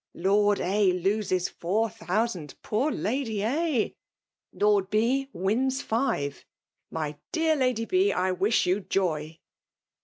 " Lord A. loses four thousand : Poor Lady A. !"LoTjd B. wins five : My dear Lady B., I wish yo» joy